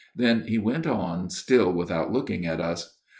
Then he went on still without looking at us.